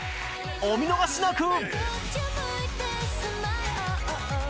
お見逃しなく！